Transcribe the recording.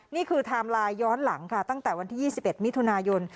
ไทม์ไลน์ย้อนหลังค่ะตั้งแต่วันที่๒๑มิถุนายน